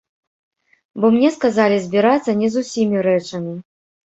Бо мне сказалі збірацца не з усімі рэчамі.